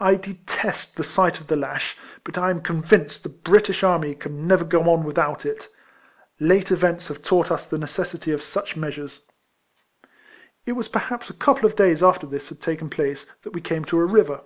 I detest the sight of the lash; but I am convinced the British army can never go on without it. Late events KIFLEMAN HARRIS. 205 have taught us the necessity of such mea sures. ' It was perhaps a couple of days after this had taken place that we came to a river.